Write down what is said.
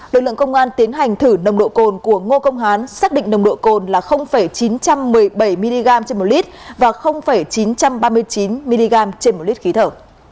lực lượng công an tiến hành thử nồng độ cồn của ngô công hán xác định nồng độ cồn là chín trăm một mươi bảy mg trên một lít và chín trăm ba mươi chín mg trên một lít khí thở